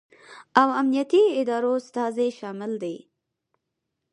او امنیتي ادارو استازي شامل دي